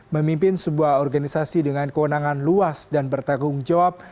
memimpin sebuah organisasi dengan kewenangan luas dan bertanggung jawab